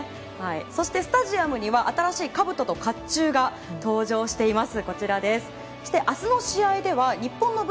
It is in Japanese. そしてスタジアムには新しいかぶとと甲冑が登場しています。